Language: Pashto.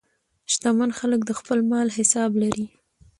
شتمن خلک د خپل مال حساب لري.